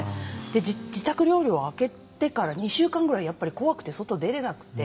自宅療養が明けてから２週間ぐらい怖くて外に出れなくて。